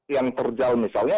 yang terjal misalnya